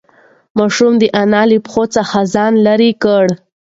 ماشوم د انا له پښو څخه ځان لیرې کړ.